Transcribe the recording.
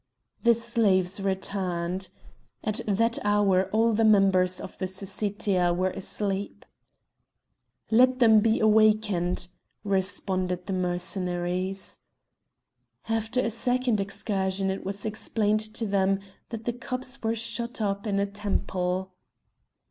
The slaves returned. At that hour all the members of the Syssitia were asleep. "Let them be awakened!" responded the Mercenaries. After a second excursion it was explained to them that the cups were shut up in a temple.